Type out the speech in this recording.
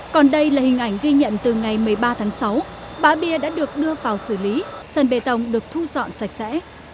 còn đây là hình ảnh ghi nhận từ ngày một mươi ba tháng sáu bã bia đã được đưa vào xử lý sân bê tông được thu dọn sạch sẽ